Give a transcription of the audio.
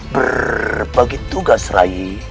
berbagi tugas rai